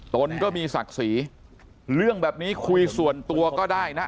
ตนก็มีศักดิ์ศรีเรื่องแบบนี้คุยส่วนตัวก็ได้นะ